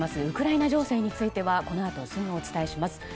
ウクライナ情勢についてはこのあとすぐお伝えします。